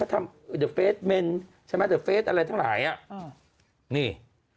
เขาทำมันใช่ไหมอะไรทั้งหลายอ่ะอ่านี่